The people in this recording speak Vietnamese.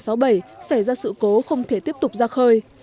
xảy ra sự cố không thể tiếp tục ra khơi